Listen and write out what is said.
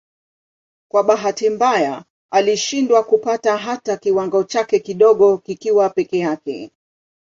Kwa bahati mbaya alishindwa kupata hata kiwango chake kidogo kikiwa peke yake.